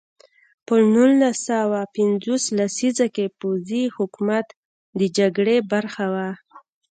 په نولس سوه پنځوس لسیزه کې پوځي حکومت د جګړې برخه وه.